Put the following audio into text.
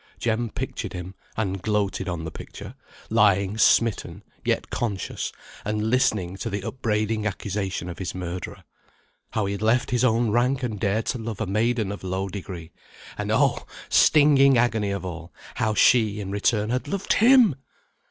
Jem pictured him (and gloated on the picture), lying smitten, yet conscious; and listening to the upbraiding accusation of his murderer. How he had left his own rank, and dared to love a maiden of low degree; and oh! stinging agony of all how she, in return, had loved him!